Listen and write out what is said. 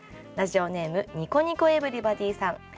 ラジオネームニコニコ・エブリバディーさん。